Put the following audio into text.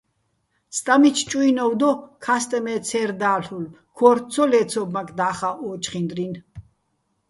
სტამიჩ ჭუ́ინოვ დო, ქასტეჼ მე ცე́რ დალ'ულო̆, ქო́რთო̆ ცო ლე́ცობმაკ და́ხაჸ ო ჩხინდრინ.